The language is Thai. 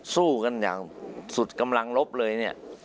สู้กันอย่างสุดกำลังลบเลยเนี่ย